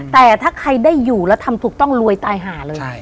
แต่ถ้าใครได้อยู่แล้วทำถูกต้องรวยตายหาเลย